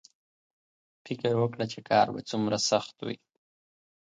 فکر وکړه چې کار به څومره سخت وي